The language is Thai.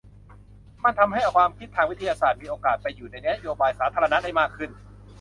มันทำให้ความคิดทางวิทยาศาสตร์มีโอกาสไปอยู่ในนโยบายสาธารณะได้มากขึ้น